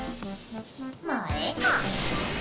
まあええか。